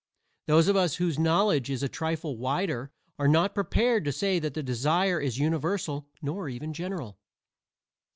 Those of us whose knowledge is a trifle wider are not prepared to say that the desire is universal nor even general.